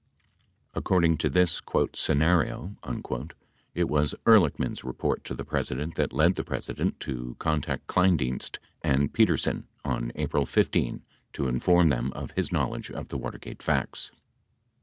According to this "scenario," it was Ehrlichman's report to the President that led the President to contact Kleindienst and Petersen on April 15 to inform them of his knowledge of the Watergate facts.